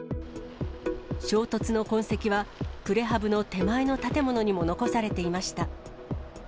衝突の痕跡はプレハブの手前の建物にも残されていました。